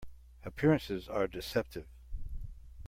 Appearances are deceptive.